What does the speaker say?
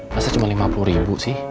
masa cuma lima puluh ribu sih